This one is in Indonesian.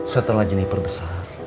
setelah jenai perbesar